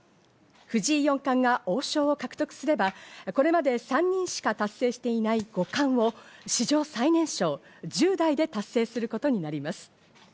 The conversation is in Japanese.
藤井四冠が王将を獲得すれば、これまで３人しか達成していない五冠を史上最年少１０代で達成することになります。